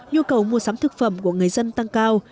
nhu cầu mua sắm thực phẩm của người dân tăng cao